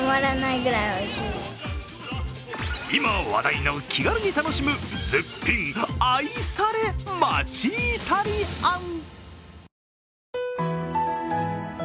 今話題の気軽に楽しむ絶品愛され町イタリアン。